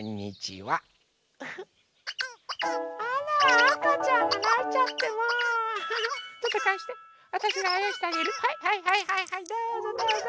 はいはいはいはいはいどうぞどうぞ。